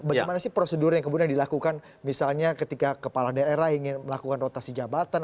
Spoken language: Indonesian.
bagaimana sih prosedur yang kemudian dilakukan misalnya ketika kepala daerah ingin melakukan rotasi jabatan